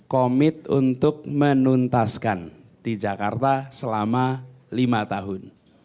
komit untuk menuntaskan di jakarta selama lima tahun